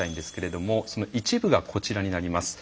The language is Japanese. その一部がこちらになります。